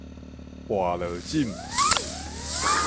跋落枕